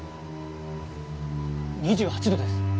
２８度です。